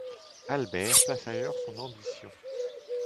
Albert place ailleurs son ambition.